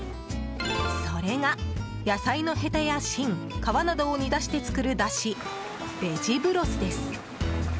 それが、野菜のヘタや芯皮などを煮出して作るだしベジブロスです。